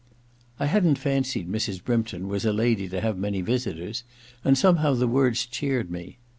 I hadn't fancied Mrs. Brympton was a lady to have many visitors, and somehow the words cheered me.